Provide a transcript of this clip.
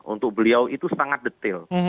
untuk beliau itu sangat detail